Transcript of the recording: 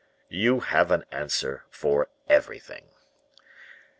"You have an answer for everything.